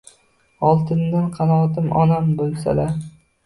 Oltindan qanotim onam bulsalar